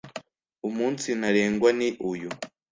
umunsi ntarengwa ni uyu!